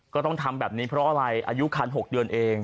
ก็ต้องทำแบบนี้เพราะอะไรอายุคัน๖เดือนเอง